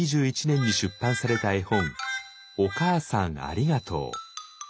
２０２１年に出版された絵本「おかあさんありがとう」。